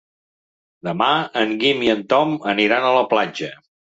Demà en Guim i en Tom aniran a la platja.